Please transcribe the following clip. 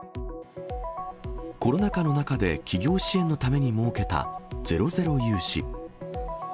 コロナ禍の中で企業支援のために設けたゼロゼロ融資。